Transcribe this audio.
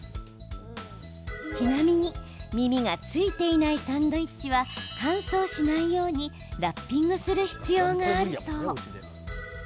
ちなみに、耳がついていないサンドイッチは乾燥しないようにラッピングする必要があるそう。